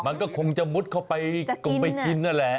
มันก็คงจะมุดเข้าไปกงไปกินนั่นแหละ